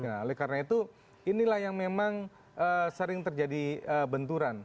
nah oleh karena itu inilah yang memang sering terjadi benturan